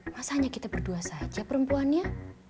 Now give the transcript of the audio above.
masa hanya kita berdua saja perempuannya